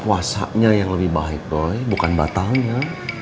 puasanya yang lebih baik doy bukan batalnya